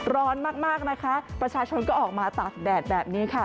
ร้อนมากนะคะประชาชนก็ออกมาตากแดดแบบนี้ค่ะ